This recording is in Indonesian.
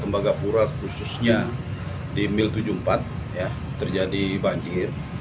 kembaga pura khususnya di mil tujuh puluh empat ya terjadi banjir